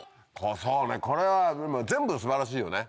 そうねこれはでも全部素晴らしいよね。